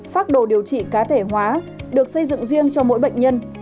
phác đồ điều trị cá thể hóa được xây dựng riêng cho mỗi bệnh nhân